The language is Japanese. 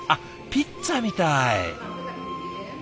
ピッツァみたい。